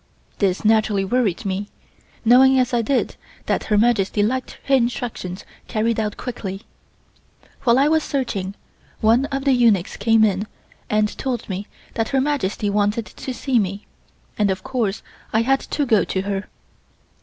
This naturally worried me, knowing as I did that Her Majesty liked her instructions carried out quickly. While I was searching, one of the eunuchs came in and told me that Her Majesty wanted to see me, and of course I had to go to her.